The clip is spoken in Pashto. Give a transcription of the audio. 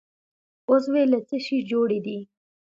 عضوې له څه شي جوړې دي؟